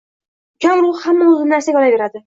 Ukam ruhi hamma o’ziga narsani olaverardi